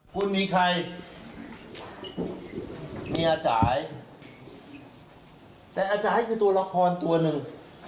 คุณมีใครเมียจ่ายแต่อาจารย์คือตัวละครตัวหนึ่ง